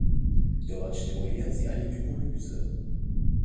Dort stimulieren sie eine Lipolyse.